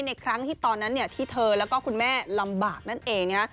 ในครั้งที่ตอนนั้นที่เธอแล้วก็คุณแม่ลำบากนั่นเอง